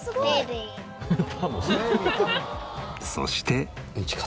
そして。